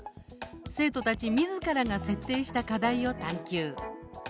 生徒たち、みずからが設定した課題を探究。